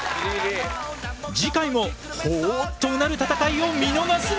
次回もほぉっとうなる戦いを見逃すな！